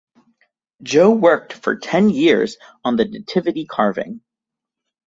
Joe worked for ten years on the Nativity carving.